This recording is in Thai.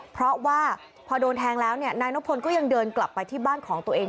เพราะว่าพอโดนแทงแล้วนายนพลก็ยังเดินกลับไปที่บ้านของตัวเอง